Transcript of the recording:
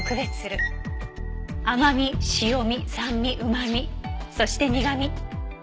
甘味塩味酸味うま味そして苦味。